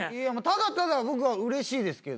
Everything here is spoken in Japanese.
ただただ僕はうれしいですけど。